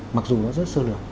mặc dù nó rất sơ lượng